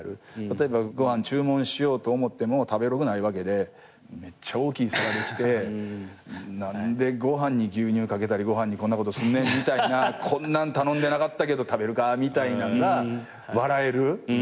例えばご飯注文しようと思っても食べログないわけでめっちゃ大きい皿で来て何でご飯に牛乳かけたりご飯にこんなことすんねんみたいなこんなん頼んでなかったけど食べるかみたいなんが笑える。